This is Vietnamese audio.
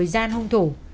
thời gian hung thủ